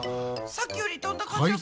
さっきより飛んだ感じ。